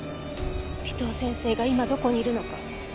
尾藤先生が今どこにいるのか。